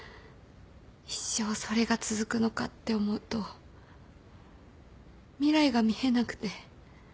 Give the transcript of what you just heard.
一生それが続くのかって思うと未来が見えなくて。